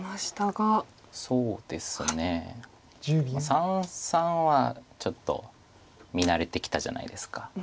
三々はちょっと見慣れてきたじゃないですか。